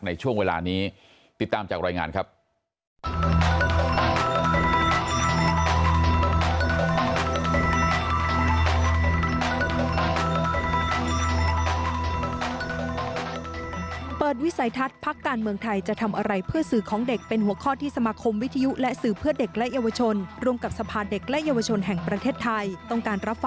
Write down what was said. ในช่วงเวลานี้ติดตามจากรายงานครับ